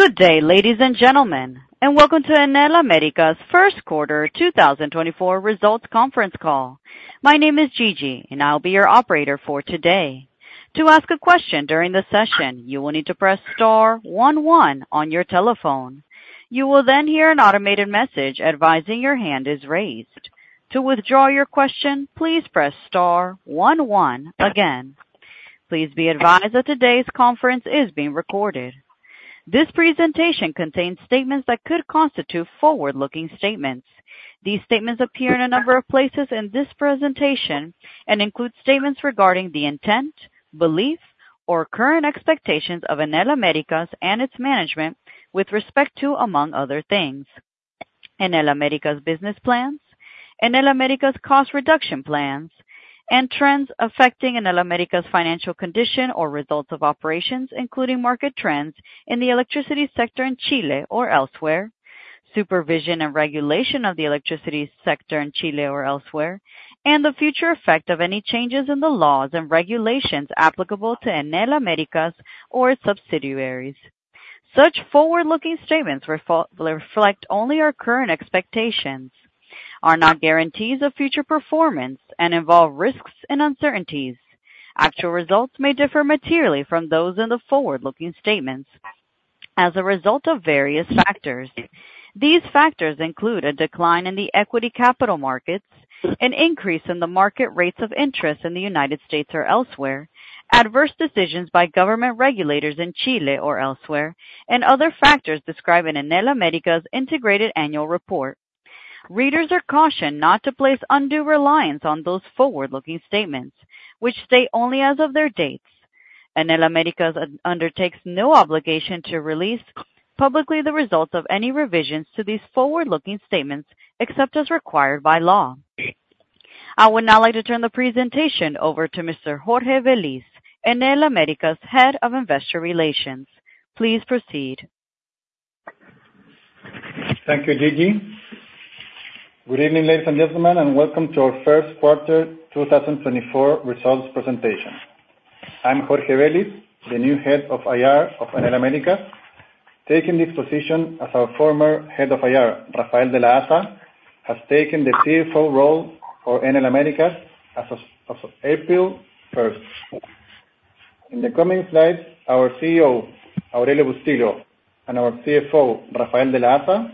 Good day, ladies and gentlemen, and welcome to Enel Américas' Q1 2024 Results Conference Call. My name is Gigi, and I'll be your operator for today. To ask a question during the session, you will need to press Star 1 1 on your telephone. You will then hear an automated message advising your hand is raised. To withdraw your question, please press Star 1 1 again. Please be advised that today's conference is being recorded. This presentation contains statements that could constitute forward-looking statements. These statements appear in a number of places in this presentation and include statements regarding the intent, belief or current expectations of Enel Américas and its management with respect to, among other things: Enel Américas business plans, Enel Américas cost reduction plans, and trends affecting Enel Américas financial condition or results of operations, including market trends in the electricity sector in Chile or elsewhere, supervision and regulation of the electricity sector in Chile or elsewhere, and the future effect of any changes in the laws and regulations applicable to Enel Américas or its subsidiaries. Such forward-looking statements reflect only our current expectations, are not guarantees of future performance and involve risks and uncertainties. Actual results may differ materially from those in the forward-looking statements as a result of various factors. These factors include a decline in the equity capital markets, an increase in the market rates of interest in the United States or elsewhere, adverse decisions by government regulators in Chile or elsewhere, and other factors described in Enel Américas' integrated annual report. Readers are cautioned not to place undue reliance on those forward-looking statements, which stay only as of their dates. Enel Américas undertakes no obligation to release publicly the results of any revisions to these forward-looking statements, except as required by law. I would now like to turn the presentation over to Mr. Jorge Velis, Enel Américas' Head of Investor Relations. Please proceed. Thank you, Gigi. Good evening, ladies and gentlemen, and welcome to our Q1 2024 results presentation. I'm Jorge Velis, the new Head of IR of Enel Américas, taking this position as our former head of IR, Rafael de la Haza, has taken the CFO role for Enel Américas as of April 1st. In the coming slides, our CEO, Aurelio Bustilho, and our CFO, Rafael de la Haza,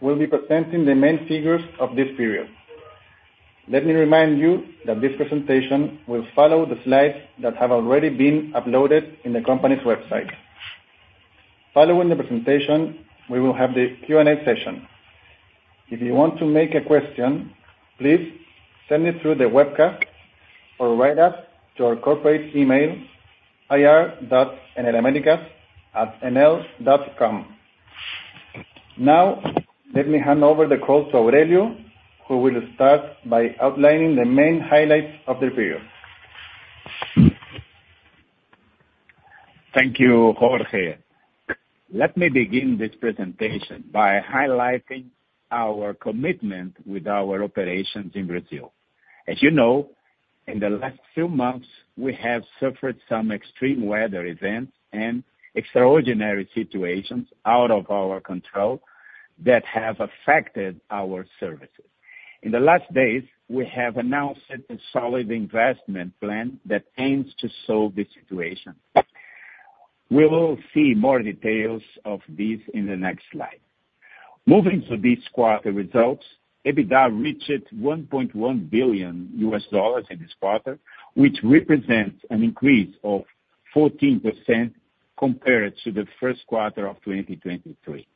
will be presenting the main figures of this period. Let me remind you that this presentation will follow the slides that have already been uploaded in the company's website. Following the presentation, we will have the Q&A session. If you want to ask a question, please send it through the webcast or write to us at our corporate email, ir.enelamericas@enel.com. Now, let me hand over the call to Aurelio, who will start by outlining the main highlights of the period. Thank you, Jorge. Let me begin this presentation by highlighting our commitment with our operations in Brazil. As you know, in the last few months, we have suffered some extreme weather events and extraordinary situations out of our control that have affected our services. In the last days, we have announced a solid investment plan that aims to solve the situation. We will see more details of this in the next slide. Moving to this quarter results, EBITDA reached $1.1 billion in this quarter, which represents an increase of 14% compared to the Q1 of 2023.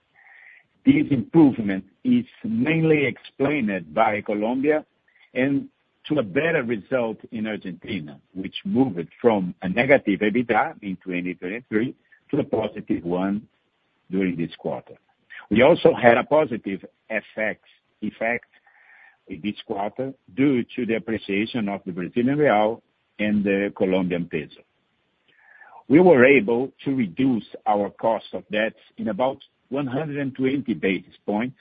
This improvement is mainly explained by Colombia and to a better result in Argentina, which moved from a negative EBITDA in 2023 to a positive one during this quarter. We also had a positive FX effect in this quarter due to the appreciation of the Brazilian real and the Colombian peso. We were able to reduce our cost of debt in about 120 basis points,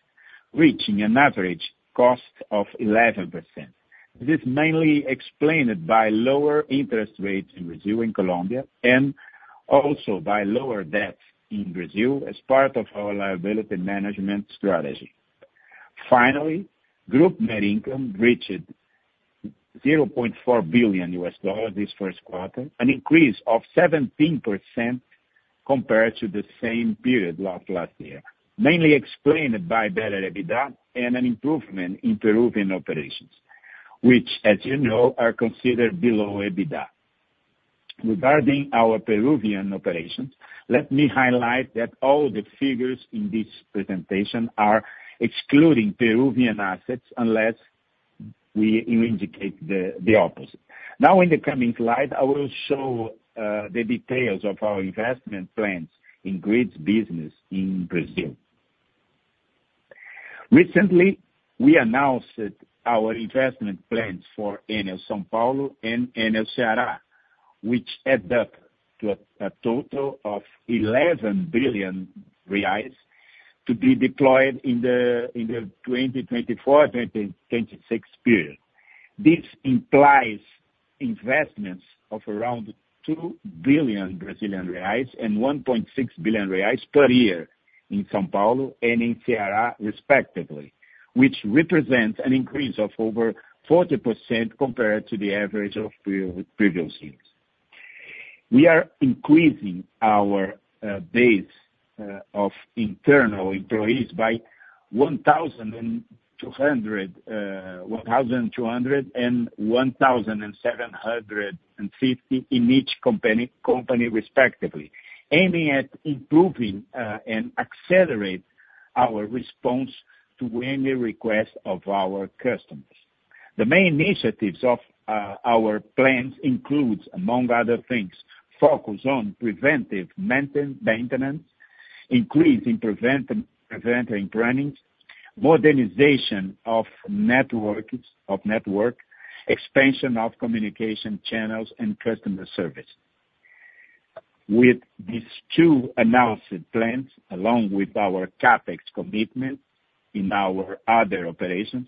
reaching an average cost of 11%. This is mainly explained by lower interest rates in Brazil and Colombia, and also by lower debt in Brazil as part of our liability management strategy. Finally, group net income reached $0.4 billion this Q1, an increase of 17% compared to the same period last year, mainly explained by better EBITDA and an improvement in Peruvian operations, which, as you know, are considered below EBITDA. Regarding our Peruvian operations, let me highlight that all the figures in this presentation are excluding Peruvian assets unless we indicate the opposite. Now in the coming slide, I will show the details of our investment plans in grids business in Brazil. Recently, we announced our investment plans for Enel São Paulo and Enel Ceará, which add up to a total of 11 billion reais to be deployed in the 2024-2026 period. This implies investments of around 2 billion Brazilian reais and 1.6 billion reais per year in São Paulo and in Ceará respectively, which represents an increase of over 40% compared to the average of previous years. We are increasing our base of internal employees by 1,200 and 1,750 in each company respectively. Aiming at improving and accelerate our response to any request of our customers. The main initiatives of our plans includes, among other things, focus on preventive maintenance, increasing preventive planning, modernization of networks, expansion of communication channels and customer service. With these two announced plans, along with our CapEx commitment in our other operations,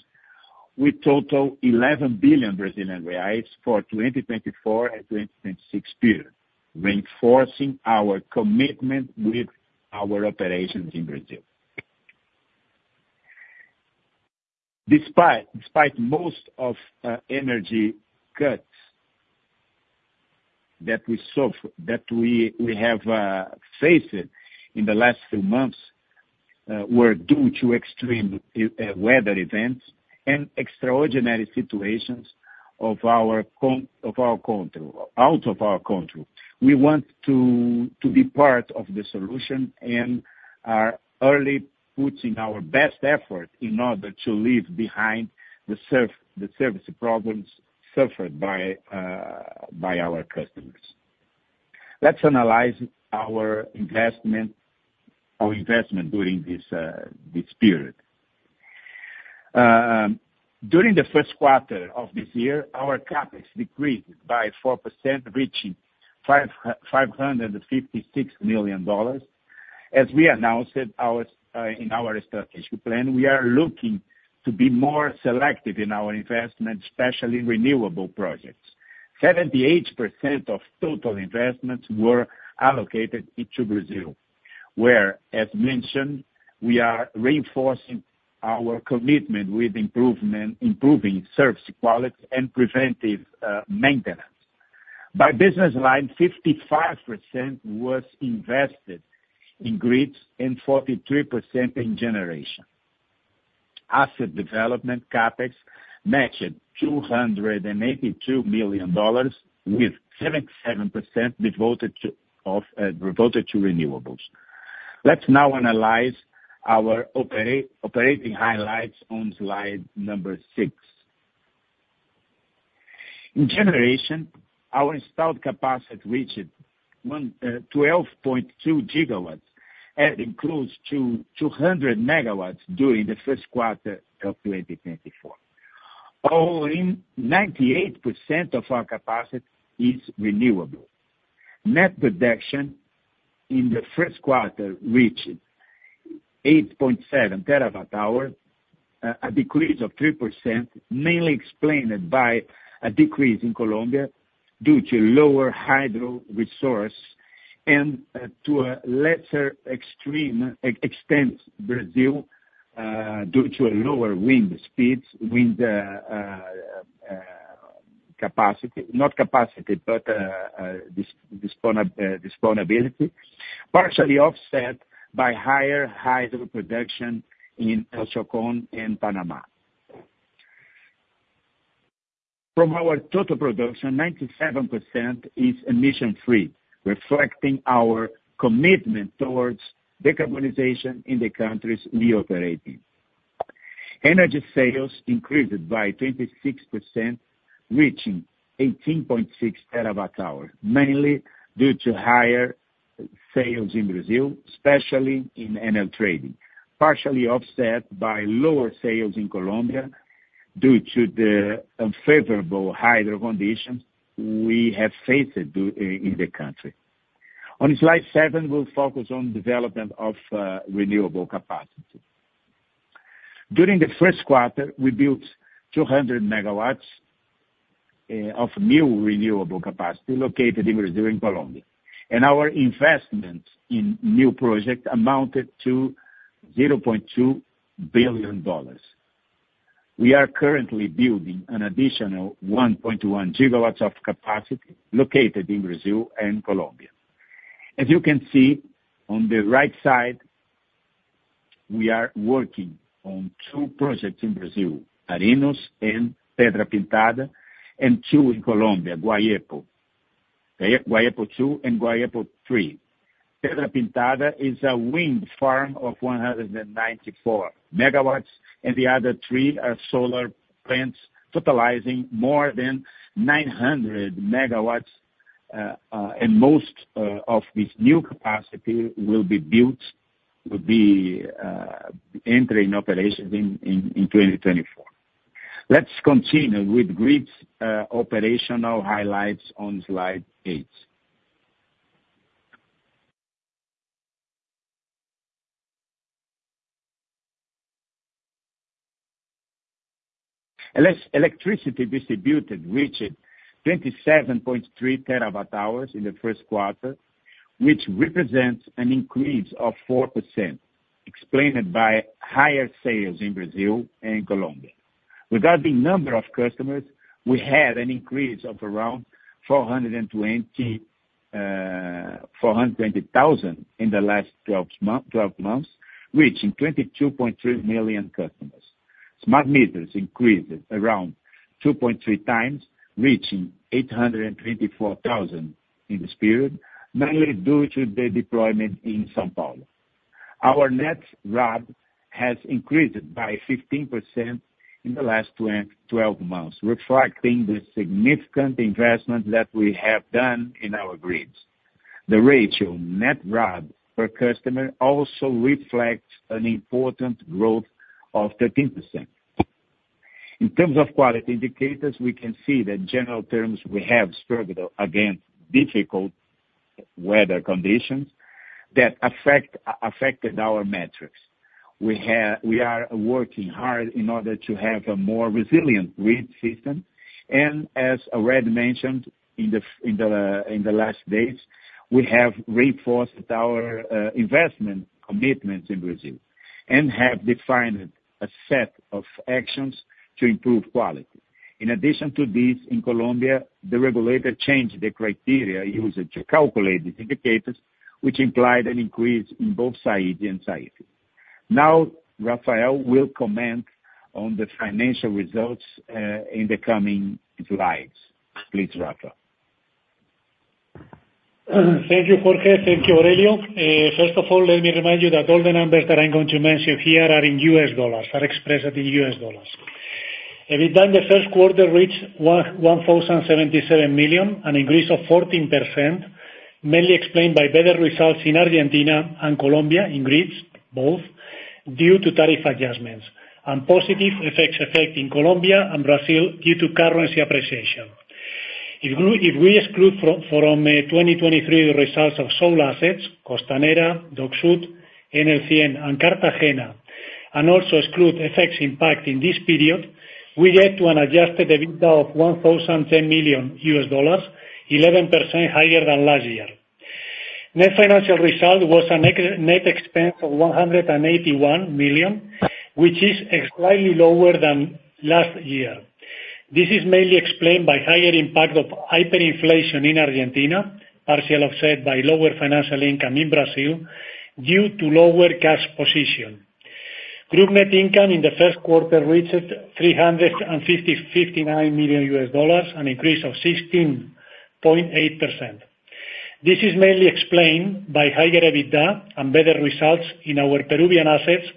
we total 11 billion Brazilian reais for 2024 and 2026 period, reinforcing our commitment with our operations in Brazil. Despite most of energy cuts that we have faced in the last few months were due to extreme weather events and extraordinary situations out of our control. We want to be part of the solution and are already putting our best effort in order to leave behind the service problems suffered by our customers. Let's analyze our investment during this period. During the Q1 of this year, our CapEx decreased by 4%, reaching $556 million. As we announced in our strategic plan, we are looking to be more selective in our investments, especially renewable projects. 78% of total investments were allocated into Brazil, where, as mentioned, we are reinforcing our commitment with improving service quality and preventive maintenance. By business line, 55% was invested in grids and 43% in generation. Asset development CapEx matched $282 million, with 77% devoted to renewables. Let's now analyze our operating highlights on slide 6. In generation, our installed capacity reached 12.2 GW, and includes 200 MW during the Q1 of 2024. All in 98% of our capacity is renewable. Net production in the Q1 reached 8.7 TWh, a decrease of 3%, mainly explained by a decrease in Colombia due to lower hydro resource and, to a lesser extent Brazil, due to lower wind speeds with availability. Not capacity, but availability, partially offset by higher hydro production in El Chocón and Panama. From our total production, 97% is emission-free, reflecting our commitment towards decarbonization in the countries we operate in. Energy sales increased by 26%, reaching 18.6 TWh, mainly due to higher sales in Brazil, especially in Enel Trading. Partially offset by lower sales in Colombia due to the unfavorable hydro conditions we have faced in the country. On slide 7, we'll focus on development of renewable capacity. During the Q1, we built 200 MW of new renewable capacity located in Brazil and Colombia, and our investments in new project amounted to $0.2 billion. We are currently building an additional 1.1 GW of capacity located in Brazil and Colombia. As you can see on the right side, we are working on two projects in Brazil, Arinos and Pedra Pintada, and two in Colombia, Guayepo II and Guayepo III. Pedra Pintada is a wind farm of 194 MW, and the other three are solar plants totalizing more than 900 MW. And most of this new capacity will be entering operations in 2024. Let's continue with grids operational highlights on slide 8. Electricity distributed reached 27.3 TWh in the Q1, which represents an increase of 4%, explained by higher sales in Brazil and Colombia. Regarding number of customers, we had an increase of around 420,000 in the last 12 months, reaching 22.3 million customers. Smart meters increased around 2.3 times, reaching 824,000 in this period, mainly due to the deployment in São Paulo. Our net RAB has increased by 15% in the last 12 months, reflecting the significant investment that we have done in our grids. The ratio net RAB per customer also reflects an important growth of 13%. In terms of quality indicators, we can see that in general terms we have struggled against difficult weather conditions that affected our metrics. We are working hard in order to have a more resilient grid system, and as already mentioned in the last days, we have reinforced our investment commitments in Brazil and have defined a set of actions to improve quality. In addition to this, in Colombia, the regulator changed the criteria used to calculate the indicators, which implied an increase in both SAIDI and SAIFI. Now, Rafael will comment on the financial results in the coming slides. Please, Rafael. Thank you, Jorge. Thank you, Aurelio. First of all, let me remind you that all the numbers that I'm going to mention here are in US dollars, are expressed in US dollars. EBITDA in the Q1 reached $1,077 million, an increase of 14%, mainly explained by better results in Argentina and Colombia in grids, both due to tariff adjustments and positive effects in Colombia and Brazil due to currency appreciation. If we exclude from 2023 results of sold assets, Costanera, Dock Sud and Cartagena, and also exclude FX impact in this period, we get to an adjusted EBITDA of $1,010 million, 11% higher than last year. Net financial result was a net expense of $181 million, which is slightly lower than last year. This is mainly explained by higher impact of hyperinflation in Argentina, partial offset by lower financial income in Brazil due to lower cash position. Group net income in the Q1 reached $359 million, an increase of 16.8%. This is mainly explained by higher EBITDA and better results in our Peruvian assets,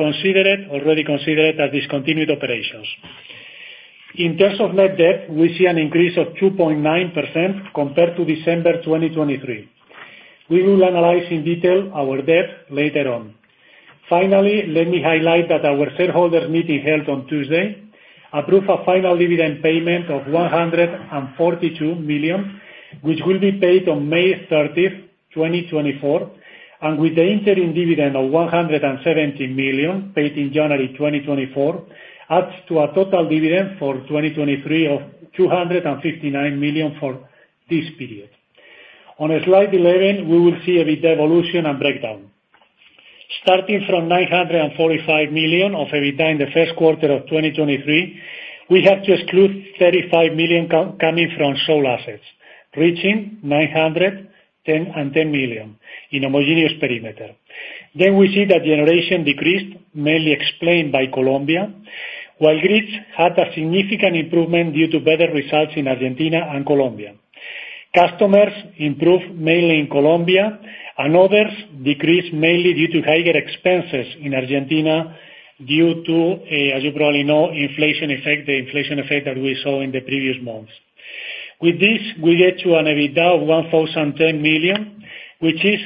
already considered as discontinued operations. In terms of net debt, we see an increase of 2.9% compared to December 2023. We will analyze in detail our debt later on. Finally, let me highlight that our shareholders meeting held on Tuesday approved a final dividend payment of $142 million, which will be paid on May 30, 2024, and with the interim dividend of $170 million paid in January 2024, adds to a total dividend for 2023 of $259 million for this period. On slide 11, we will see EBITDA evolution and breakdown. Starting from $945 million of EBITDA in the Q1 of 2023, we have to exclude $35 million coming from sold assets, reaching $910 million in homogeneous perimeter. We see that generation decreased, mainly explained by Colombia, while grids had a significant improvement due to better results in Argentina and Colombia. Customers improved mainly in Colombia, and others decreased mainly due to higher expenses in Argentina due to, as you probably know, inflation effect, the inflation effect that we saw in the previous months. With this, we get to an EBITDA of $1,010 million, which is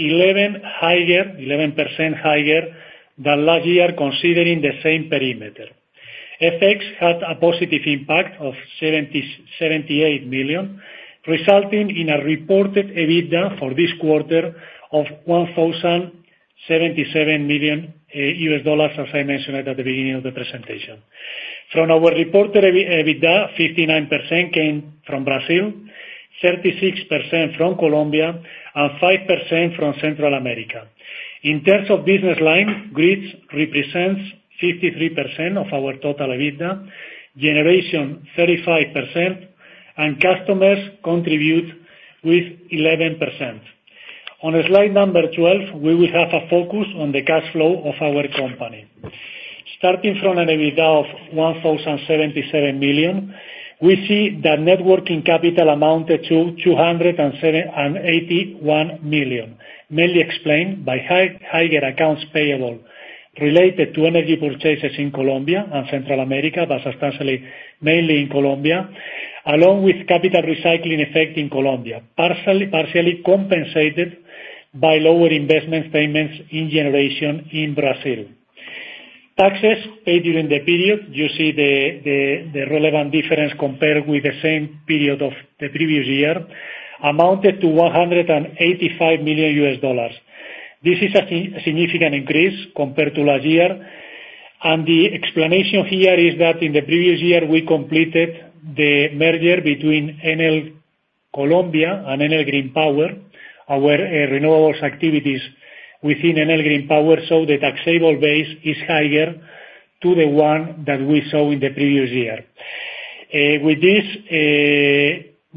11% higher than last year considering the same perimeter. FX had a positive impact of $78 million, resulting in a reported EBITDA for this quarter of $1,077 million, as I mentioned at the beginning of the presentation. From our reported EBITDA, 59% came from Brazil, 36% from Colombia, and 5% from Central America. In terms of business line, grids represents 53% of our total EBITDA, generation 35%, and customers contribute with 11%. On slide number 12, we will have a focus on the cash flow of our company. Starting from an EBITDA of $1,077 million, we see that net working capital amounted to $287 million, mainly explained by higher accounts payable related to energy purchases in Colombia and Central America, but substantially mainly in Colombia, along with capital recycling effect in Colombia, partially compensated by lower investment payments in generation in Brazil. Taxes paid during the period, you see the relevant difference compared with the same period of the previous year, amounted to $185 million. This is a significant increase compared to last year. The explanation here is that in the previous year, we completed the merger between Enel Colombia and Enel Green Power, our renewables activities within Enel Green Power, so the taxable base is higher than the one that we saw in the previous year. With this,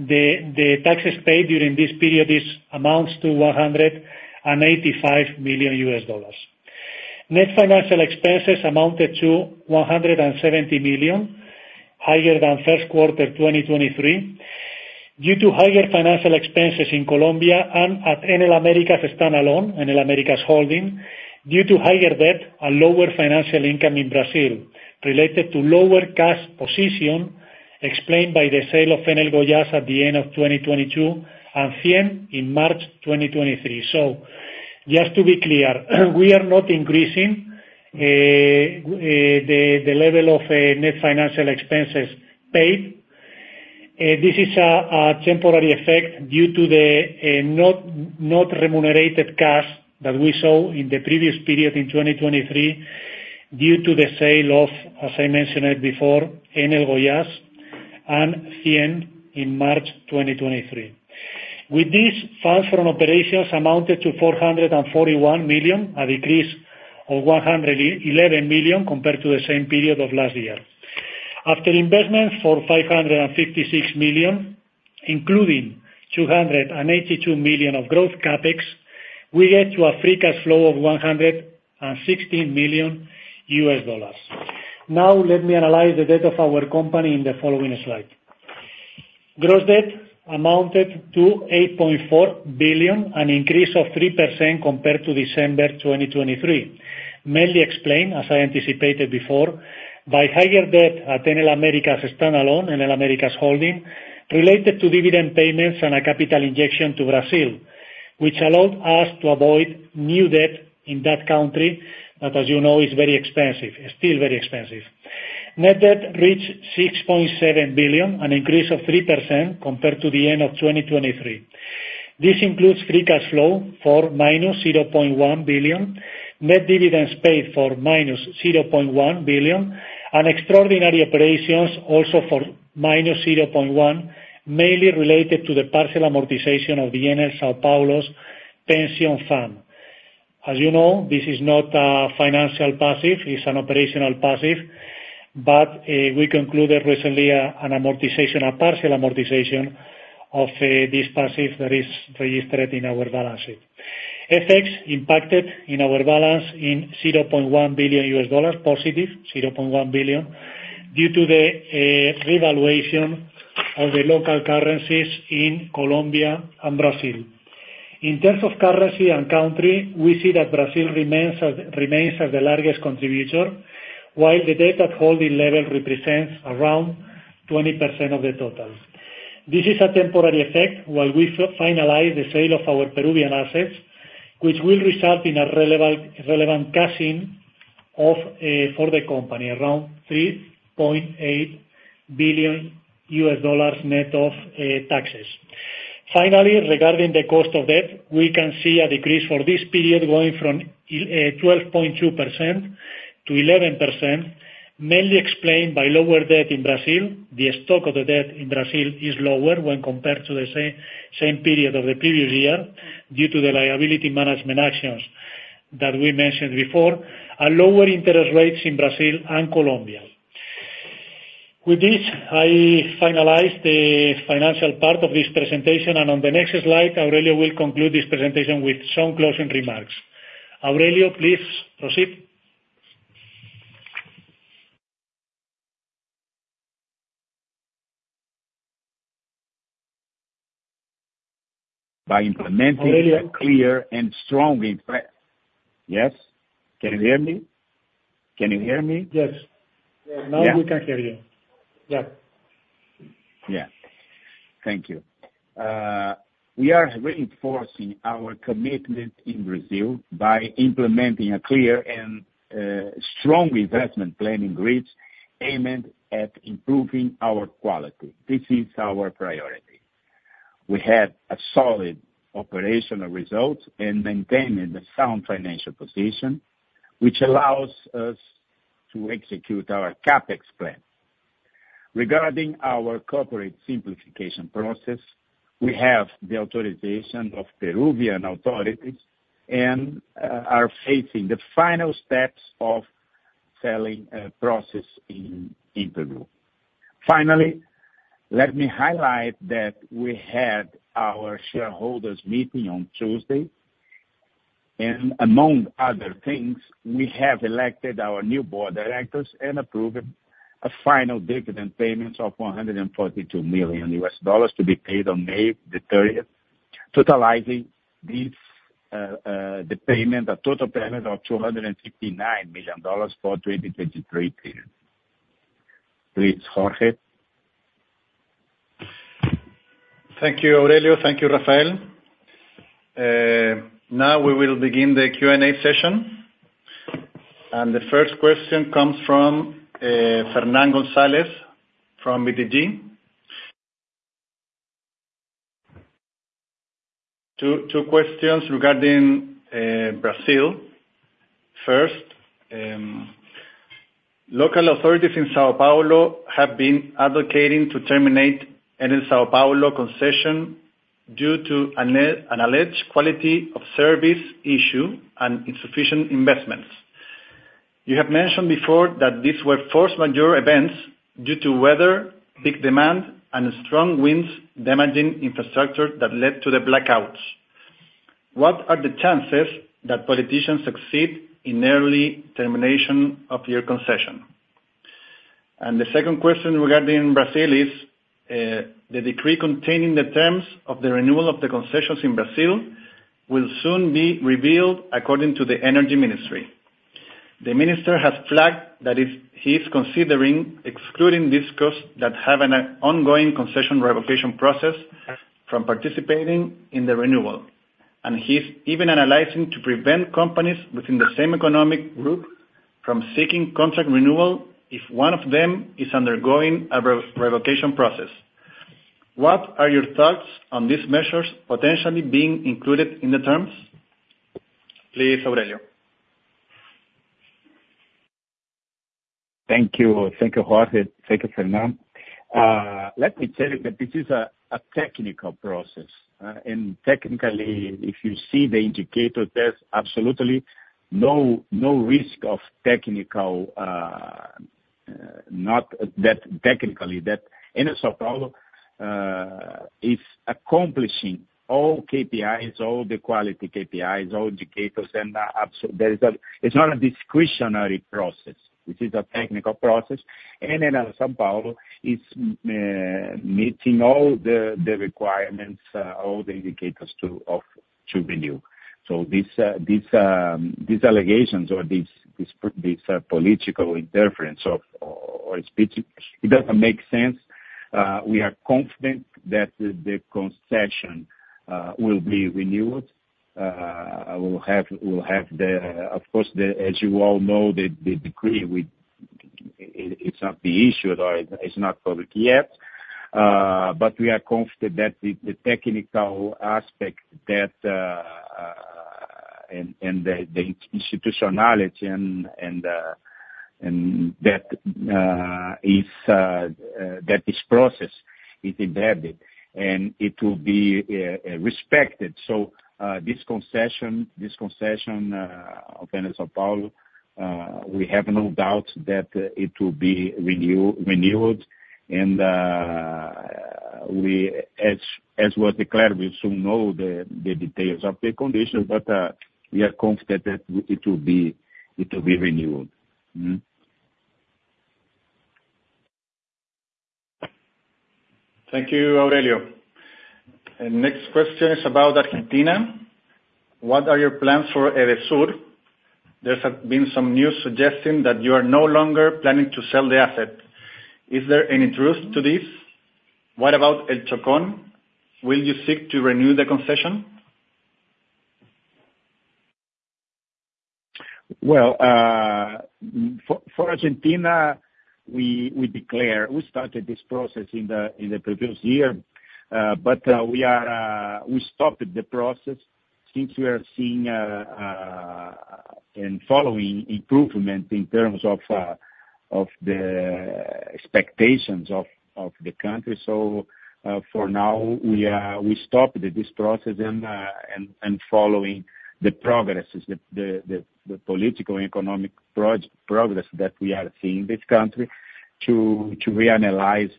the taxes paid during this period amounts to $185 million. Net financial expenses amounted to $170 million, higher than Q1 2023, due to higher financial expenses in Colombia and at Enel Américas standalone, Enel Américas Holding, due to higher debt and lower financial income in Brazil related to lower cash position explained by the sale of Enel Goiás at the end of 2022 and FIEM in March 2023. Just to be clear, we are not increasing the level of net financial expenses paid. This is a temporary effect due to the non-remunerated cash that we saw in the previous period in 2023 due to the sale of, as I mentioned it before, Enel Goiás and FIEM in March 2023. With this, funds from operations amounted to $441 million, a decrease of $111 million compared to the same period of last year. After investment for $556 million, including $282 million of growth CapEx, we get to a free cash flow of $116 million. Now let me analyze the debt of our company in the following slide. Gross debt amounted to $8.4 billion, an increase of 3% compared to December 2023, mainly explained, as I anticipated before, by higher debt at Enel Américas standalone, Enel Américas Holding, related to dividend payments and a capital injection to Brazil, which allowed us to avoid new debt in that country that, as you know, is very expensive, still very expensive. Net debt reached $6.7 billion, an increase of 3% compared to the end of 2023. This includes Free Cash Flow of -$0.1 billion, net dividends paid of -$0.1 billion, and extraordinary operations also of -$0.1 billion, mainly related to the partial amortization of the Enel São Paulo's pension fund. As you know, this is not a financial liability, it's an operational liability, but we concluded recently a partial amortization of this liability that is registered in our balance sheet. FX impact on our balance sheet of $0.1 billion, positive $0.1 billion, due to the revaluation of the local currencies in Colombia and Brazil. In terms of currency and country, we see that Brazil remains as the largest contributor, while the debt at holding level represents around 20% of the total. This is a temporary effect while we finalize the sale of our Peruvian assets, which will result in a relevant cash-in for the company of around $3.8 billion net of taxes. Finally, regarding the cost of debt, we can see a decrease for this period going from 12.2% to 11%, mainly explained by lower debt in Brazil. The stock of the debt in Brazil is lower when compared to the same period of the previous year due to the liability management actions that we mentioned before, and lower interest rates in Brazil and Colombia. With this, I finalize the financial part of this presentation, and on the next slide, Aurelio will conclude this presentation with some closing remarks. Aurelio, please proceed. By implementing- Aurelio. Yes? Can you hear me? Yes. Yeah. Now we can hear you. Yeah. Yeah. Thank you. We are reinforcing our commitment in Brazil by implementing a clear and strong investment plan in reach, aimed at improving our quality. This is our priority. We have a solid operational result in maintaining the sound financial position, which allows us to execute our CapEx plan. Regarding our corporate simplification process, we have the authorization of Peruvian authorities and are facing the final steps of selling process in interview. Finally, let me highlight that we had our shareholders meeting on Tuesday, and among other things, we have elected our new board of directors and approved a final dividend payments of $142 million to be paid on May 30, totalizing this, the payment, a total payment of $259 million for 2023 period. Please, Jorge. Thank you, Aurelio. Thank you, Rafael. Now we will begin the Q&A session. The first question comes from Fernán González from BTG Pactual. Two questions regarding Brazil. First, local authorities in São Paulo have been advocating to terminate Enel São Paulo concession due to an alleged quality of service issue and insufficient investments. You have mentioned before that these were force majeure events due to weather, peak demand, and strong winds damaging infrastructure that led to the blackouts. What are the chances that politicians succeed in early termination of your concession? The second question regarding Brazil is the decree containing the terms of the renewal of the concessions in Brazil will soon be revealed according to the energy ministry. The minister has flagged that if he's considering excluding discos that have an ongoing concession revocation process from participating in the renewal. He's even analyzing to prevent companies within the same economic group from seeking contract renewal if one of them is undergoing a revocation process. What are your thoughts on these measures potentially being included in the terms? Please, Aurelio. Thank you. Thank you, Jorge. Thank you, Fernán. Let me tell you that this is a technical process. Technically, if you see the indicator, there's absolutely no risk. São Paulo is accomplishing all KPIs, all the quality KPIs, all indicators. It's not a discretionary process. This is a technical process. São Paulo is meeting all the requirements, all the indicators to renew. These allegations or this political interference or speech, it doesn't make sense. We are confident that the concession will be renewed. We'll have, of course, as you all know, the decree with it. It's not issued or it's not public yet. We are confident that the technical aspect and the institutionality and that this process is embedded and it will be respected. This concession of São Paulo, we have no doubt that it will be renewed. We, as was declared, we still don't know the details of the conditions, but we are confident that it will be renewed. Thank you, Aurelio Bustilho. Next question is about Argentina. What are your plans for Edesur? There's been some news suggesting that you are no longer planning to sell the asset. Is there any truth to this? What about El Chocón? Will you seek to renew the concession? Well, for Argentina, we declare we started this process in the previous year. But we stopped the process since we are seeing and following improvement in terms of the expectations of the country. For now, we stopped this process and following the progresses, the political and economic progress that we are seeing in this country to reanalyze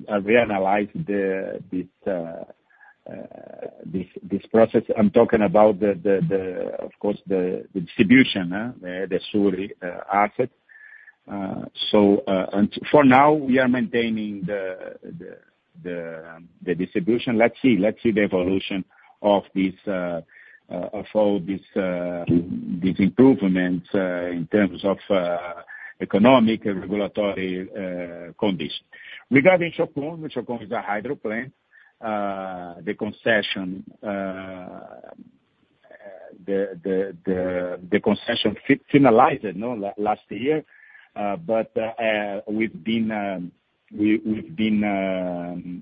this process. I'm talking about, of course, the distribution, the Edesur asset. For now we are maintaining the distribution. Let's see the evolution of all this improvement in terms of economic and regulatory conditions. Regarding El Chocón, which is a hydro plant, the concession finalized, you know, last year. We've been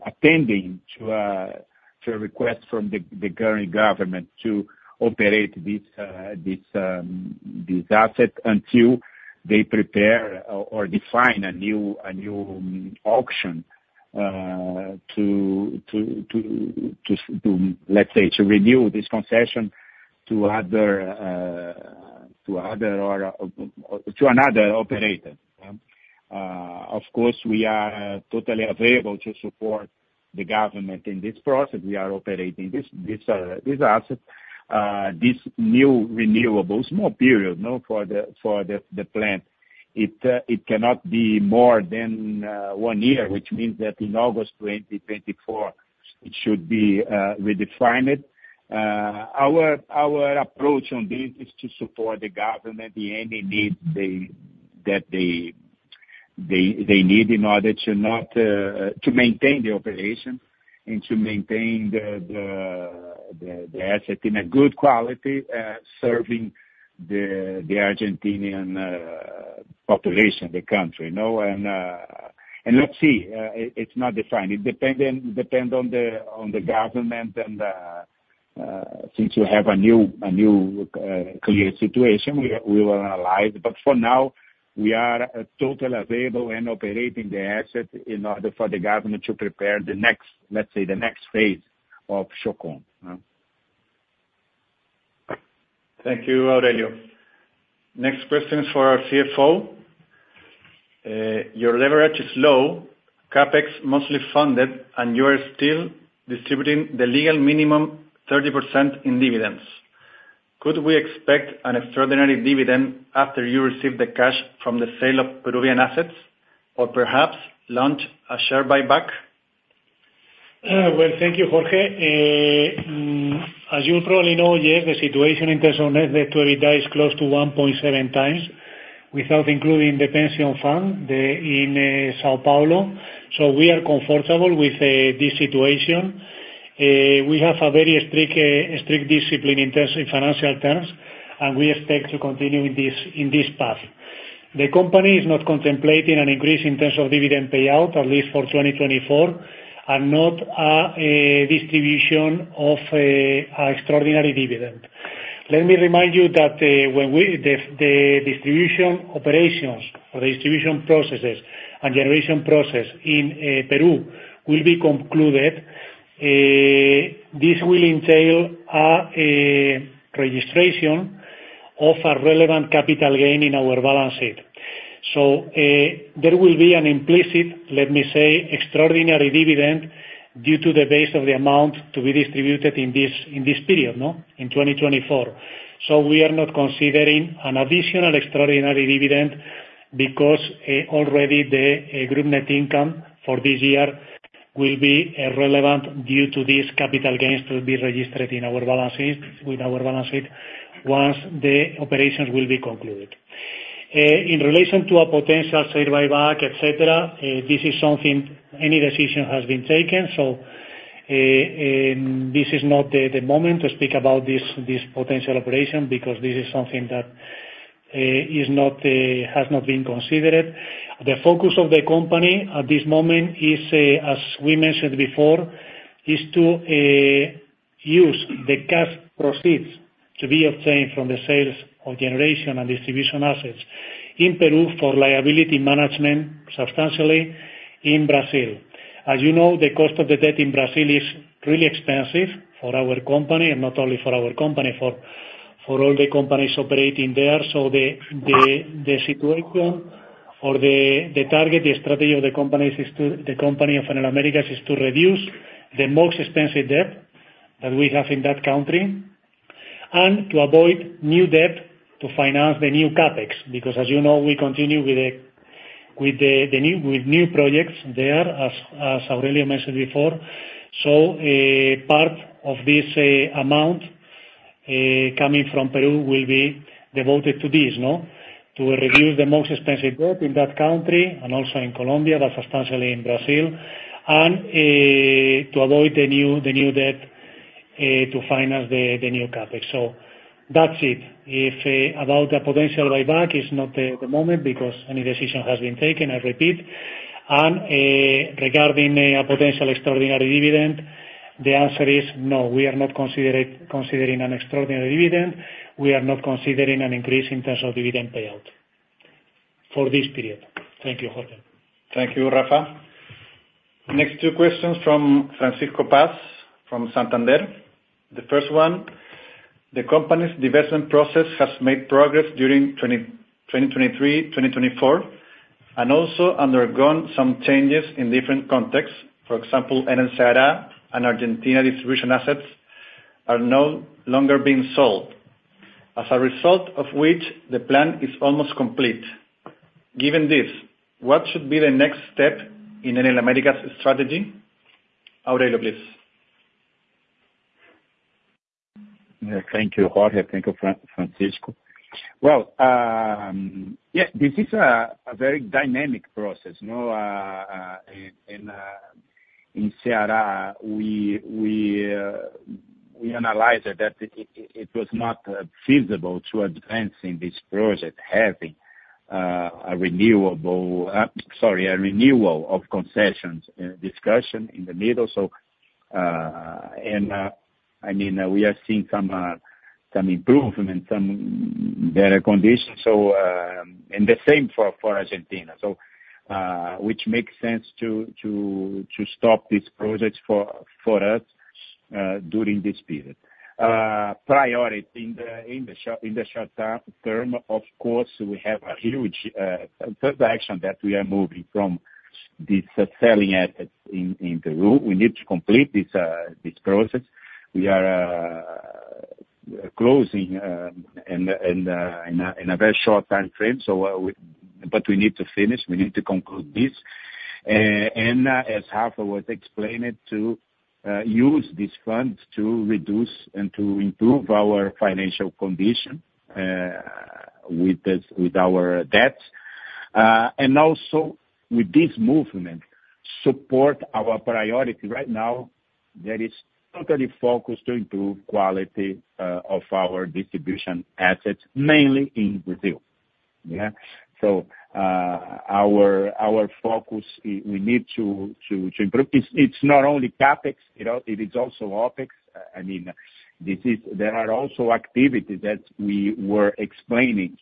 attending to a request from the current government to operate this asset until they prepare or define a new auction, let's say, to renew this concession to another operator. Of course, we are totally available to support the government in this process. We are operating this asset, this new renewables small period, you know, for the plant. It cannot be more than one year, which means that in August 2024 it should be redefined. Our approach on this is to support the government, any needs they need in order to maintain the operation and to maintain the asset in a good quality, serving the Argentine population, the country, you know. Let's see, it's not defined. It depends on the government and since you have a new clear situation, we will analyze. For now, we are totally available and operating the asset in order for the government to prepare the next, let's say, the next phase of El Chocón, you know. Thank you, Aurelio. Next question is for our CFO. Your leverage is low, CapEx mostly funded, and you are still distributing the legal minimum 30% in dividends. Could we expect an extraordinary dividend after you receive the cash from the sale of Peruvian assets? Or perhaps launch a share buyback? Well, thank you, Jorge. As you probably know, yes, the situation in terms of net debt to EBITDA is close to 1.7x, without including the pension fund in São Paulo. We are comfortable with this situation. We have a very strict discipline in terms of financial terms, and we expect to continue in this path. The company is not contemplating an increase in terms of dividend payout, at least for 2024, and not a distribution of extraordinary dividend. Let me remind you that, when the distribution operations or the distribution processes and generation process in Peru will be concluded, this will entail a registration of a relevant capital gain in our balance sheet. There will be an implicit, let me say, extraordinary dividend due to the base of the amount to be distributed in 2024. We are not considering an additional extraordinary dividend because already the group net income for this year will be relevant due to these capital gains to be registered in our balance sheet once the operations will be concluded. In relation to a potential share buyback, et cetera, this is something no decision has been taken. This is not the moment to speak about this potential operation because this is something that has not been considered. The focus of the company at this moment is, as we mentioned before, to use the cash proceeds to be obtained from the sales of generation and distribution assets in Peru for Liability Management, substantially in Brazil. As you know, the cost of the debt in Brazil is really expensive for our company, and not only for our company, for all the companies operating there. The situation or the target, the strategy of the company of Enel Américas is to reduce the most expensive debt that we have in that country. To avoid new debt to finance the new CapEx. Because as you know, we continue with new projects there as Aurelio mentioned before. Part of this amount coming from Peru will be devoted to this, no? To reduce the most expensive debt in that country, and also in Colombia, but substantially in Brazil, and to avoid the new debt to finance the new CapEx. That's it. If about the potential buyback is not the moment because no decision has been taken, I repeat. Regarding a potential extraordinary dividend, the answer is no. We are not considering an extraordinary dividend. We are not considering an increase in terms of dividend payout for this period. Thank you, Jorge. Thank you, Rafael. Next two questions from Francisco Paz from Santander. The first one, the company's divestment process has made progress during 2023, 2024, and also undergone some changes in different contexts. For example, Enel Ceará and Argentina distribution assets are no longer being sold. As a result of which the plan is almost complete. Given this, what should be the next step in Enel Américas strategy? Aurelio, please. Thank you, Jorge. Thank you, Francisco. Well, this is a very dynamic process, you know, in Ceará. We analyzed that it was not feasible to advancing this project having a renewal of concessions discussion in the middle. I mean, we are seeing some improvement, some better conditions. And the same for Argentina. Which makes sense to stop this project for us during this period. Priority in the short term, of course, we have a huge transaction that we are moving from this selling assets in Peru. We need to complete this process. We are closing in a very short time frame. We need to finish, we need to conclude this. As Rafael was explaining to use these funds to reduce and to improve our financial condition with this, with our debts, and also with this movement, support our priority right now that is totally focused to improve quality of our distribution assets, mainly in Brazil. Yeah. Our focus, we need to improve. It's not only CapEx, you know, it is also OpEx. I mean, there are also activities that we were explaining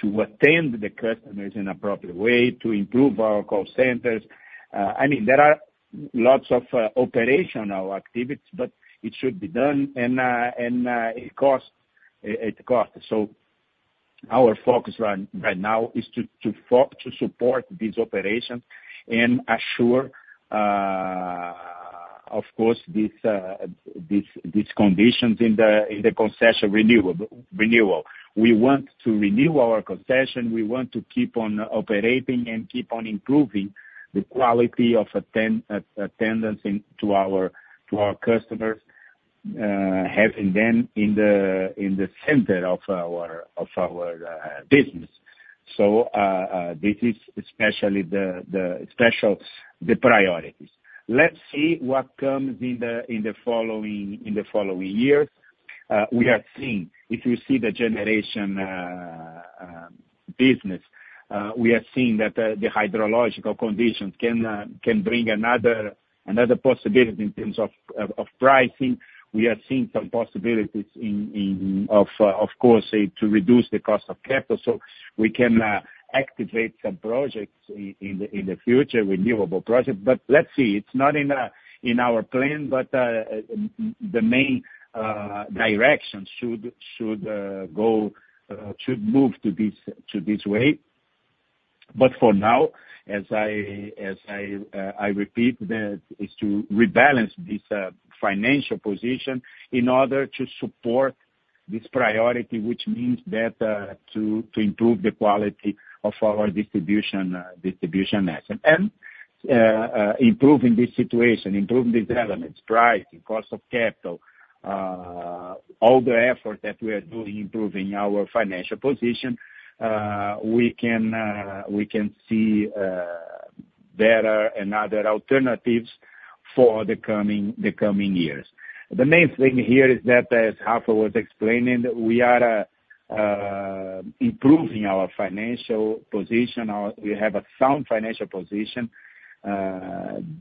to attend the customers in appropriate way, to improve our call centers. I mean, there are lots of operational activities, but it should be done and it costs. Our focus right now is to support these operations and assure of course these conditions in the concession renewal. We want to renew our concession, we want to keep on operating and keep on improving the quality of attendance to our customers, having them in the center of our business. This is especially the priorities. Let's see what comes in the following years. We are seeing, if you see the generation business, we are seeing that the hydrological conditions can bring another possibility in terms of pricing. We are seeing some possibilities of course to reduce the cost of capital so we can activate some projects in the future, renewable projects. Let's see, it's not in our plan, the main direction should move to this way. For now, as I repeat, the is to rebalance this financial position in order to support this priority which means that to improve the quality of our distribution distribution asset. Improving this situation, improving these elements, pricing, cost of capital, all the effort that we are doing, improving our financial position, we can see better and other alternatives for the coming years. The main thing here is that, as Rafael was explaining, we are improving our financial position or we have a sound financial position,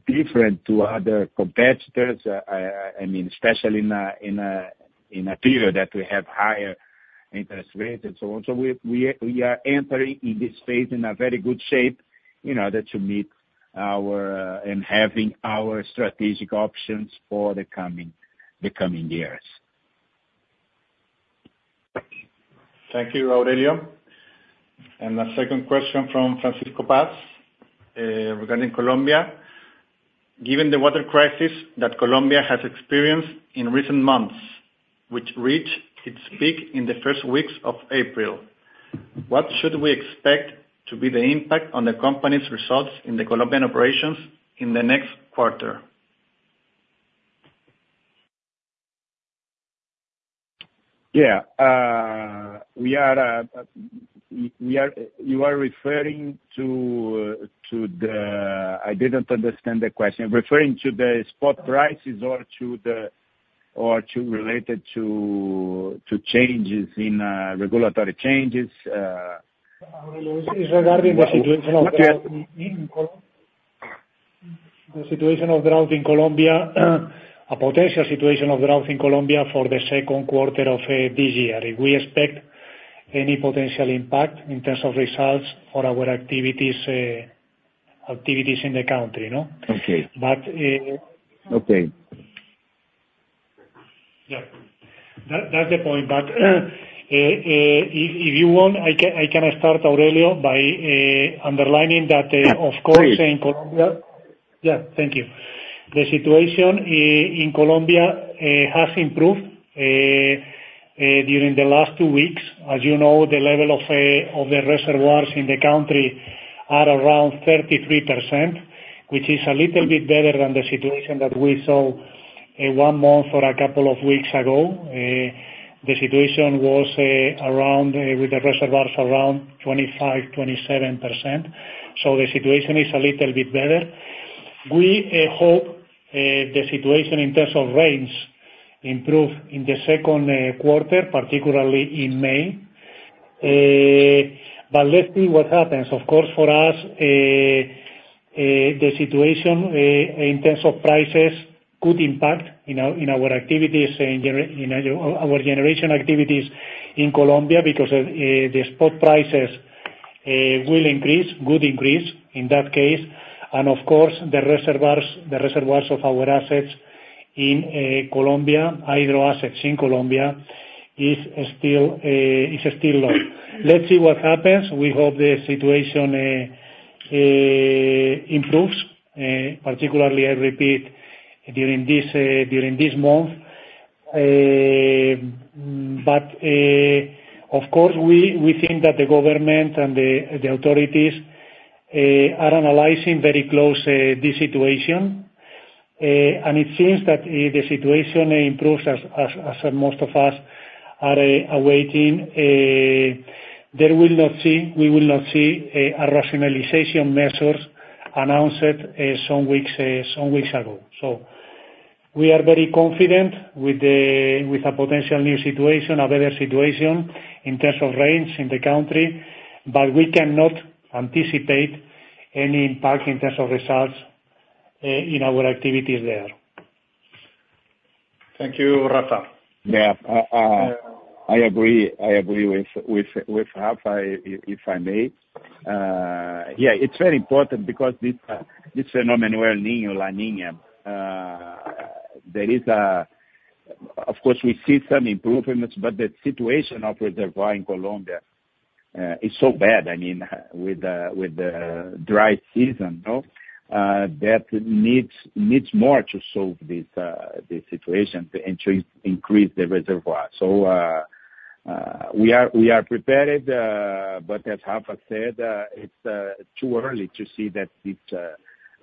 different to other competitors, I mean, especially in a period that we have higher interest rates and so on. We are entering in this phase in a very good shape in order to meet our and having our strategic options for the coming years. Thank you, Aurelio. The second question from Francisco Paz, regarding Colombia. Given the water crisis that Colombia has experienced in recent months, which reached its peak in the first weeks of April, what should we expect to be the impact on the company's results in the Colombian operations in the next quarter? I didn't understand the question. Referring to the spot prices or to the related to changes in regulatory changes. It's regarding the situation of drought in Colombia. Not yet. The situation of drought in Colombia, a potential situation of drought in Colombia for the Q2 of this year. If we expect any potential impact in terms of results for our activities in the country, you know. Okay. But, uh- Okay. Yeah. That's the point. If you want, I can start, Aurelio, by underlining that, of course in Colombia- Please. Yeah. Thank you. The situation in Colombia has improved during the last two weeks. As you know, the level of the reservoirs in the country are around 33%, which is a little bit better than the situation that we saw one month or a couple of weeks ago. The situation was around with the reservoirs around 25-27%. The situation is a little bit better. We hope the situation in terms of rains improve in the Q2, particularly in May. Let's see what happens. Of course, for us, the situation in terms of prices could impact in our activities, in our generation activities in Colombia because of the spot prices will increase, could increase in that case. Of course, the reservoirs of our assets in Colombia, hydro assets in Colombia is still low. Let's see what happens. We hope the situation improves, particularly, I repeat, during this month. Of course, we think that the government and the authorities are analyzing very closely this situation. It seems that the situation improves as most of us are awaiting. We will not see rationing measures announced some weeks ago. We are very confident with a potential new situation, a better situation in terms of rains in the country, but we cannot anticipate any impact in terms of results in our activities there. Thank you, Rafael. Yeah. I agree with Rafael, if I may. Yeah, it's very important because this phenomenon El Niño, La Niña, there is. Of course, we see some improvements, but the situation of reservoir in Colombia is so bad. I mean, with the dry season, you know, that needs more to solve this situation, to increase the reservoir. So, we are prepared. But as Rafael said, it's too early to see that this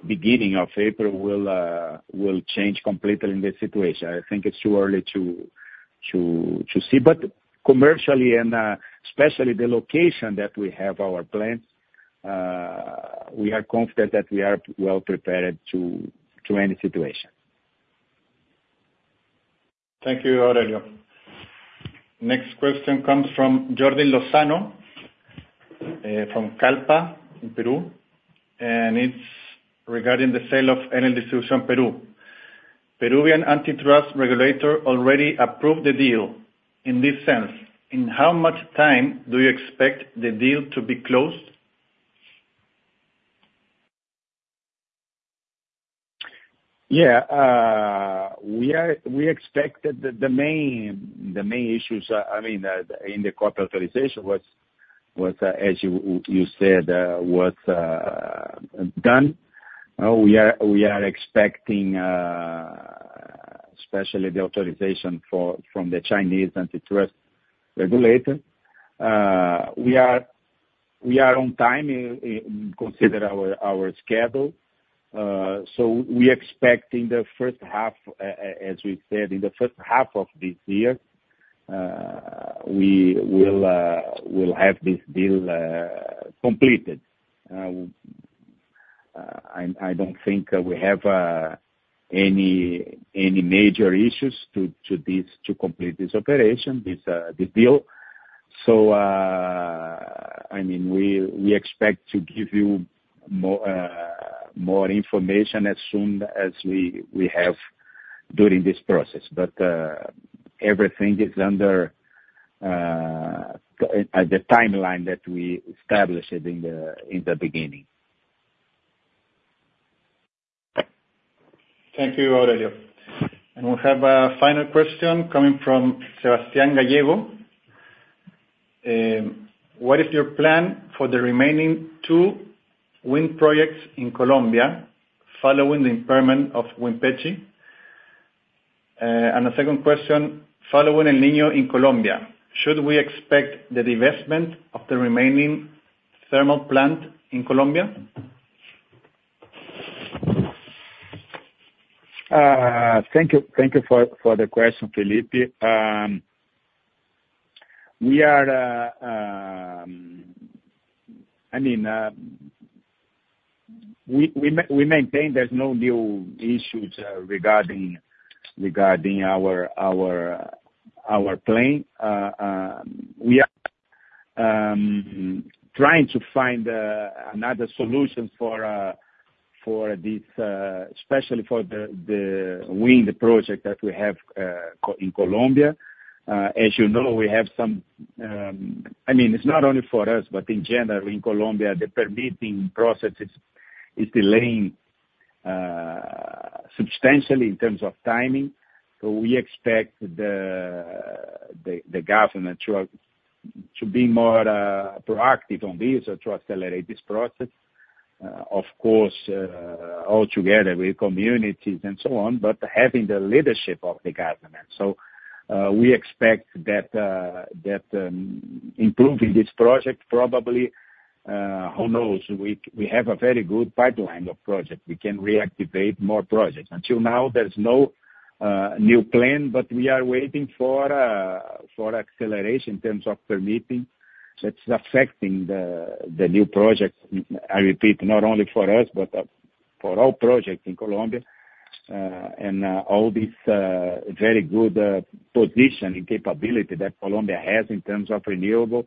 beginning of April will change completely in this situation. I think it's too early to see. But commercially and especially the location that we have our plants, we are confident that we are well-prepared to any situation. Thank you, Aurelio. Next question comes from Yordin Lozano from Kallpa in Peru, and it's regarding the sale of Enel Distribución Perú. Peruvian antitrust regulator already approved the deal. In this sense, in how much time do you expect the deal to be closed? We expected the main issues, I mean, in the corporate authorization was, as you said, done. We are expecting especially the authorization from the Chinese antitrust regulator. We are on time in consideration of our schedule. We are expecting the first half, as we said, in the first half of this year, we will have this deal completed. I don't think we have any major issues to complete this operation, this deal. I mean, we expect to give you more information as soon as we have, during this process. Everything is under the timeline that we established in the beginning. Thank you, Aurelio Bustilho. We have a final question coming from Sebastián Gallego. What is your plan for the remaining two wind projects in Colombia following the impairment of Windpeshi? Following El Niño in Colombia, should we expect the divestment of the remaining thermal plant in Colombia? Thank you. Thank you for the question, Felipe. We maintain there's no new issues regarding our plan. We are trying to find another solution for this, especially for the wind project that we have in Colombia. As you know, I mean, it's not only for us, but in general in Colombia, the permitting process is delaying substantially in terms of timing. We expect the government to be more proactive on this to accelerate this process. Of course, altogether with communities and so on, but having the leadership of the government. We expect that improving this project, probably, who knows? We have a very good pipeline of projects. We can reactivate more projects. Until now, there's no new plan, but we are waiting for acceleration in terms of permitting. It's affecting the new projects, I repeat, not only for us, but for all projects in Colombia. All this very good position and capability that Colombia has in terms of renewables,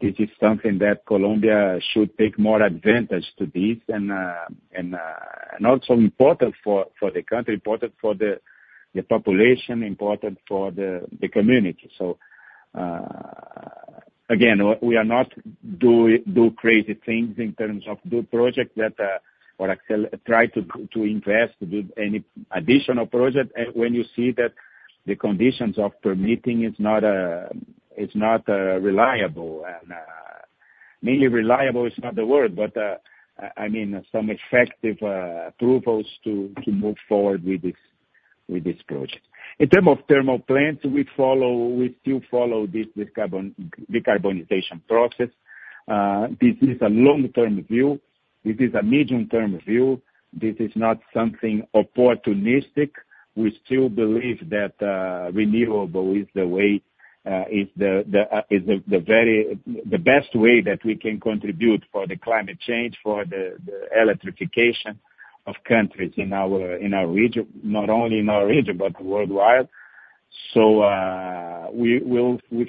this is something that Colombia should take more advantage of this and also important for the country, important for the population, important for the community. Again, we are not doing crazy things in terms of new projects or trying to invest in any additional projects when you see that the conditions of permitting are not reliable. Mainly reliable is not the word, but I mean some effective approvals to move forward with this project. In terms of thermal plants, we still follow this decarbonization process. This is a long-term view. This is a medium-term view. This is not something opportunistic. We still believe that renewable is the way, is the very best way that we can contribute for the climate change, for the electrification of countries in our region, not only in our region, but worldwide. We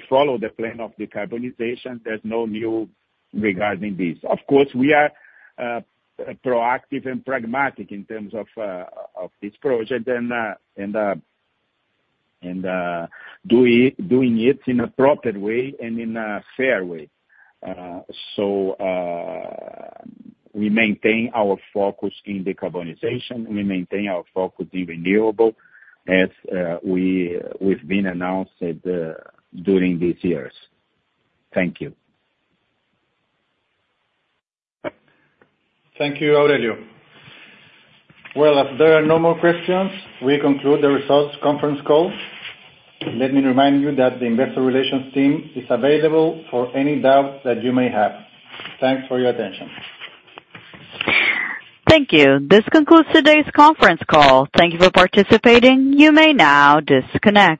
follow the plan of decarbonization. There's no news regarding this. Of course, we are proactive and pragmatic in terms of this project and doing it in a proper way and in a fair way. We maintain our focus in decarbonization. We maintain our focus in renewables as we've been announcing it during these years. Thank you. Thank you, Aurelio. Well, if there are no more questions, we conclude the results conference call. Let me remind you that the Investor Relations team is available for any doubt that you may have. Thanks for your attention. Thank you. This concludes today's conference call. Thank you for participating. You may now disconnect.